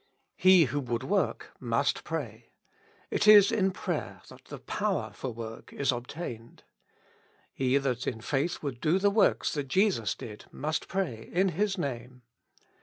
He who would work nmst pray : it is in prayer that the power for work is obtained. He that in faith would do the works that Jesus did, must pray in His Name.